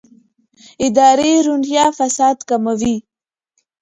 اداري روڼتیا فساد کموي